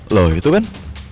lo itu kan